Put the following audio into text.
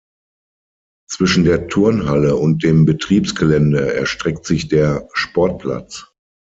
Zwischen der Turnhalle und dem Betriebsgelände erstreckt sich der Sportplatz.